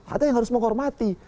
ada yang harus menghormati